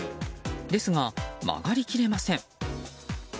ですが、曲がり切れません。